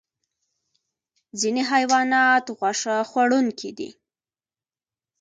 ځینې حیوانات غوښه خوړونکي دي